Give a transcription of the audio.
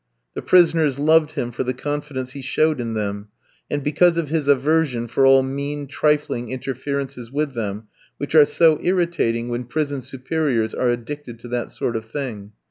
The prisoners loved him for the confidence he showed in them, and because of his aversion for all mean, trifling interferences with them, which are so irritating when prison superiors are addicted to that sort of thing.